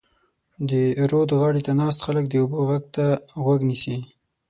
د رود غاړې ته ناست خلک د اوبو غږ ته غوږ نیسي.